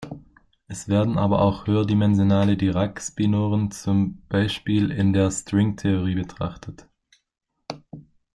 Es werden aber auch höherdimensionale Dirac-Spinoren zum Beispiel in der Stringtheorie betrachtet.